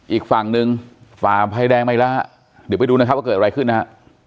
อีกฝั่งหนึ่งฝ่าไฟแดงมาอีกแล้วฮะเดี๋ยวไปดูนะครับว่าเกิดอะไรขึ้นนะฮะ